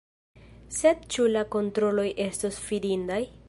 Sed ĉu la kontroloj estos fidindaj?